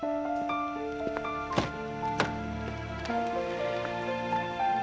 harus youtube apa ya